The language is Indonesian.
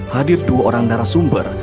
hadir dua orang narasumber